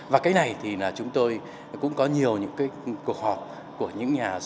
và cái này thì là chúng tôi cũng có nhiều những cái cuộc họp của những nhà xuất khẩu mật ong